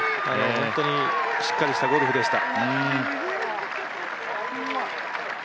本当にしっかりしたゴルフでした。